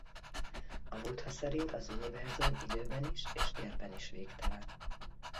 A Buddha szerint az univerzum időben is és térben is végtelen.